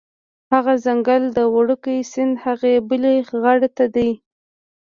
هغه ځنګل د وړوکي سیند هغې بلې غاړې ته دی